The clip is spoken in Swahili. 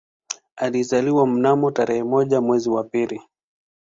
Alizaliwa mnamo tarehe moja mwezi wa pili